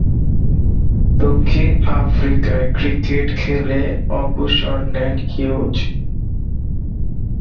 দক্ষিণ আফ্রিকায় ক্রিকেট খেলে অবসর নেন হিউজ।